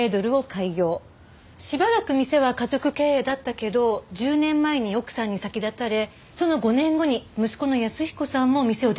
しばらく店は家族経営だったけど１０年前に奥さんに先立たれその５年後に息子の安彦さんも店を出て行ったそうよ。